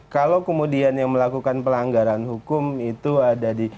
kalau kemudian yang melakukan pelanggaran hukum itu ada di